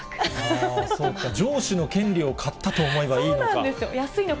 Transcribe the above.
そうか、城主の権利を買ったと思えばいいのか。